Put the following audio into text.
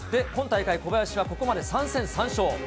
今大会、小林はここまで３戦３勝。